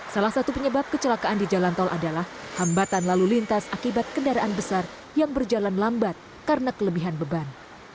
salah satu penyebab kecelakaan di jalan tol adalah hambatan lalu lintas akibat kendaraan besar yang berjalan lambat karena kelebihan beban